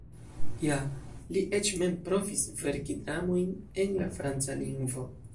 Ja, li eĉ mem provis verki dramojn en la franca lingvo.